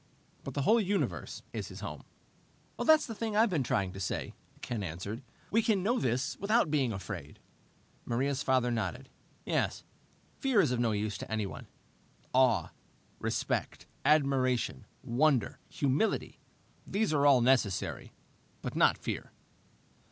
But the whole universe is his home." "That's the thing I've been trying to say," Ken answered. "We can know this without being afraid." Maria's father nodded. "Yes. Fear is of no use to anyone. Awe, respect, admiration, wonder, humility these are all necessary. But not fear."